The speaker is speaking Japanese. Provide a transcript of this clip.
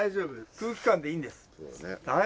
空気感でいいんです。